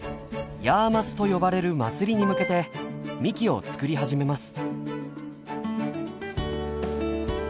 ヤーマスと呼ばれる祭りに向けてみきを作り始めます。